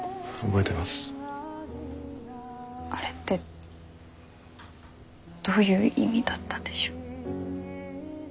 あれってどういう意味だったんでしょう？